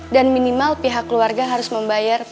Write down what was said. dan minimal pihak keluarga harus membayar